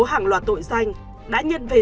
hàng loạt tội danh đã nhận về